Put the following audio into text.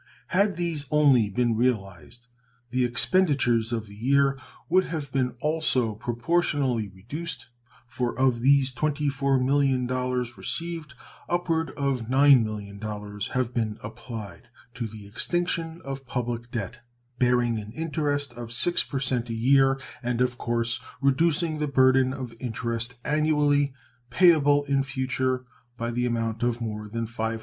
Had these only been realized the expenditures of the year would have been also proportionally reduced, for of these $24,000,000 received upward of $9,000,000 have been applied to the extinction of public debt, bearing an interest of 6% a year, and of course reducing the burden of interest annually payable in future by the amount of more than $500,000.